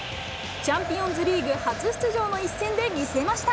チャンピオンズリーグ初出場の一戦で見せました。